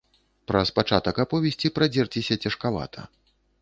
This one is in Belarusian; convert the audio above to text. Праз пачатак аповесці прадзерціся цяжкавата.